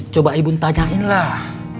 coba ibu tanyainlah